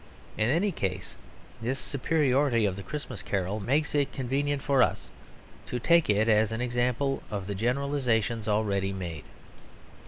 In any case this superiority of The Christmas Carol makes it convenient for us to take it as an example of the generalisations already made.